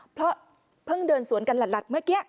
เพราะเพิ่งเดินสวนกันหลัดเมื่อกี้